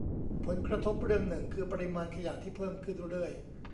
ผลกระทบเรื่องหนึ่งคือปริมาณขยะที่เพิ่มขึ้นเรื่อย